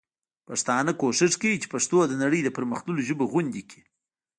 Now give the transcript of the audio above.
پښتانه کوښښ کوي چي پښتو د نړۍ د پر مختللو ژبو غوندي کړي.